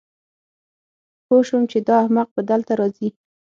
پوه شوم چې دا احمق به دلته راځي